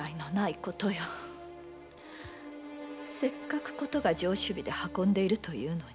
せっかく事が上首尾で運んでいるというのに。